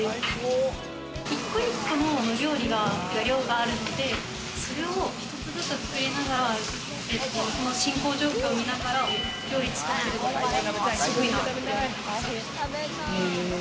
１個１個の料理が量があるんで、それを一つずつ作りながら進行状況を見ながら料理作ってるのはすごいなって。